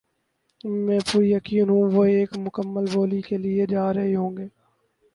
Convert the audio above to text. میں پُریقین ہوں وہ ایک مکمل بولی کے لیے جا رہے ہوں گے